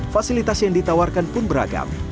fasilitas yang ditawarkan pun beragam